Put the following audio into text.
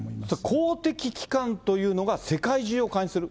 公的機関というのが、世界中を監視する。